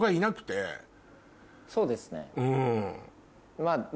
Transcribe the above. そうですね。